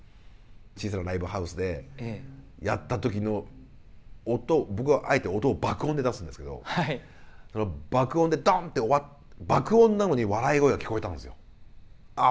小さなライブハウスでやった時の僕はあえて音を爆音で出すんですけどその爆音でドンって爆音なのに笑い声が聞こえたんですよ。